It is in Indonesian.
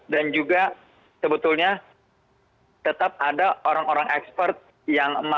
dan juga sebetulnya tetap ada orang orang ekspert yang menunjukkan